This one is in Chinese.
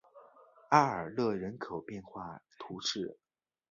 阿尔勒人口变化图示